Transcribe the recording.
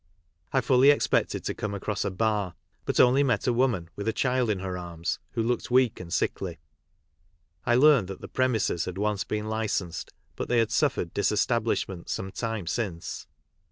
I fully t.cpected to come across a bar, but only met a woman with a child in her arms who looked weak and sickly. I learned that the premises had once been licensed, but they had suffered disestablishment some time since.